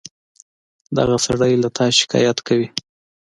دغه سړى له تا شکايت کوي.